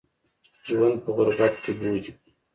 ژوند په غربت کې بوج وي